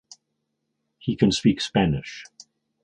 He can speak Spanish.